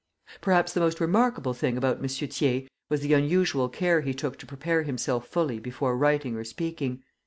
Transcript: Perhaps the most remarkable thing about M. Thiers was the unusual care he took to prepare himself fully before writing or speaking.